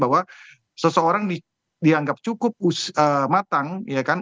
bahwa seseorang dianggap cukup matang ya kan